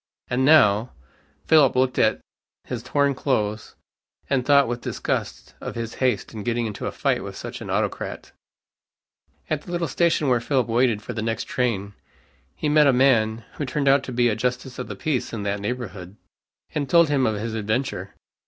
And, now! Philip looked at his torn clothes, and thought with disgust of his haste in getting into a fight with such an autocrat. At the little station where Philip waited for the next train, he met a man who turned out to be a justice of the peace in that neighborhood, and told him his adventure.